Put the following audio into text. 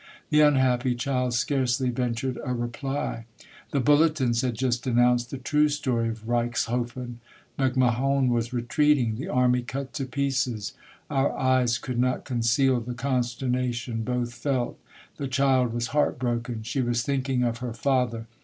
" The unhappy child scarcely ventured a reply. The bulletins had just announced the true story of Reichshoffen. MacMahon was retreating, the army cut to pieces. Our eyes could not conceal the consternation both felt. The child was heart broken. She was thinking of her father.